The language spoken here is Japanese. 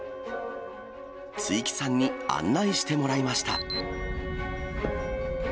築城さんに案内してもらいました。